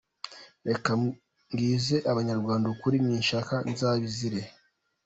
reka mbwize abanyarwanda ukuri ninshaka nzabizire.